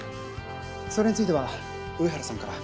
それについては上原さんから。